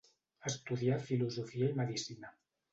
Estudià filosofia i medicina.